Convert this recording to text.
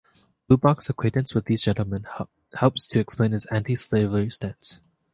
Lubbock's acquaintance with these gentlemen helps to explain his anti-slavery stance.